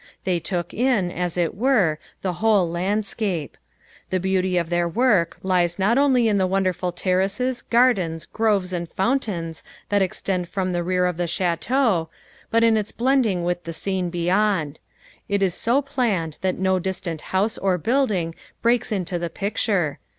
They took in, as it were, the whole landscape. The beauty of their work lies not only in the wonderful terraces, gardens, groves and fountains that extend from the rear of the Château, but in its blending with the scene beyond. It is so planned that no distant house or building breaks into the picture.